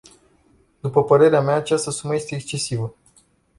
După părerea mea, această sumă este excesivă.